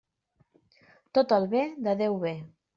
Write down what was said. Tot el bé de Déu ve.